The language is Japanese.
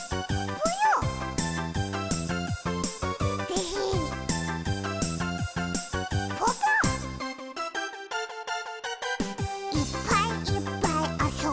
ぽぽ「いっぱいいっぱいあそんで」